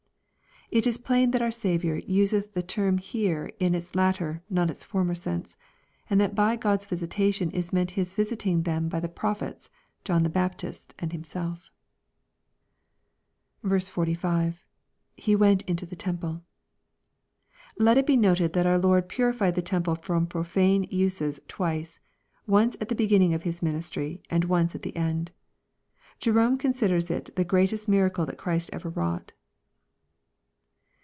It is plain that our Saviour useth the term here in its latter, not its former sense ; and that by God*s visitation is meant His visiting them by the prophets, John the Baptist, and Himself." 45. — [He went into the temple.] Let it be noted, that our Lord puri fied the temple from profane uses twice, once at the beginning of His ministry and once at the end. Jerome considers it the greatr est miracle that Christ ever wrought.